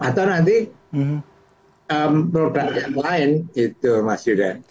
atau nanti produk lain gitu mas yudan